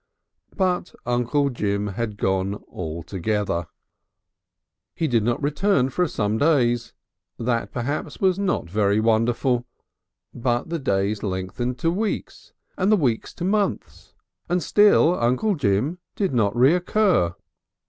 XII But Uncle Jim had gone altogether.... He did not return for some days. That perhaps was not very wonderful. But the days lengthened to weeks and the weeks to months and still Uncle Jim did not recur.